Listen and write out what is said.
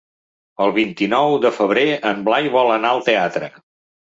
El vint-i-nou de febrer en Blai vol anar al teatre.